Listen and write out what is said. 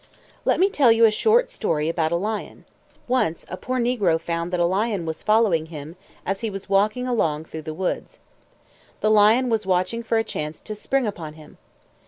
Let me tell you a short story about a Lion. Once a poor Negro found that a Lion was following him, as he was walking along through the woods. The Lion was watching for a chance to spring upon him.